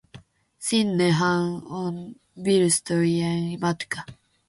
Sinnehän on virstojen matka.